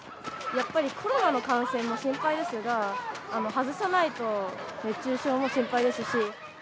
やっぱりコロナの感染も心配ですが、外さないと熱中症も心配ですし。